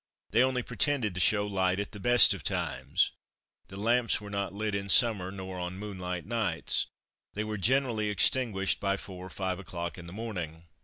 They only pretended to show light at the best of times. The lamps were not lit in summer nor on moonlight nights. They were generally extinguished by four or five o'clock in the morning.